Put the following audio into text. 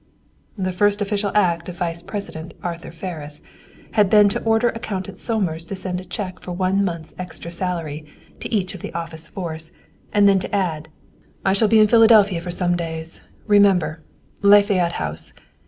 The first official act of Vice President Arthur Ferris had been to order Accountant Somers to send a cheque for one month's extra salary to each of the office force, and then to add, "I shall be in Philadelphia for some days, remember; Lafayette House.